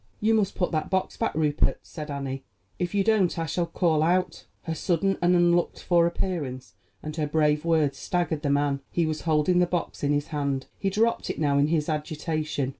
"You must put that box back, Rupert," said Annie; "if you don't I shall call out." Her sudden and unlooked for appearance and her brave words staggered the man. He was holding the box in his hand. He dropped it now in his agitation.